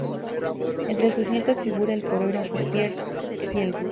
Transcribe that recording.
Entre sus nietos figura el coreógrafo Piers Gielgud.